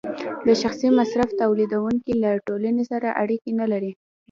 د شخصي مصرف تولیدونکی له ټولنې سره اړیکه نلري